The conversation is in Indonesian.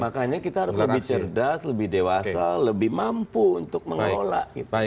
makanya kita harus lebih cerdas lebih dewasa lebih mampu untuk mengelola